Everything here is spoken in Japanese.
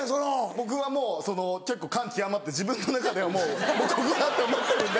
僕はもう結構感極まって自分の中ではもうここだ！って思ってるんで。